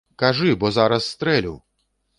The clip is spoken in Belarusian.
Кажы, бо зараз стрэлю!